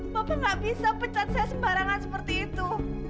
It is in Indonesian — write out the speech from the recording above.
bapak gak bisa pecat saya sembarangan seperti itu